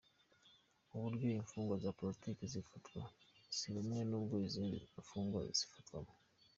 “Uburyo imfungwa za politiki zifatwa si bumwe n’ubwo izindi mfungwa zifatwamo.